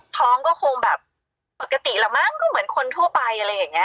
ท้องก็คงปกติแหละมั้งเหมือนคนทั่วไป